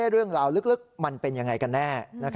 เรื่องราวลึกมันเป็นยังไงกันแน่